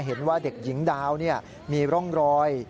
เห็นว่าเด็กหญิงดาวมีร่องรอย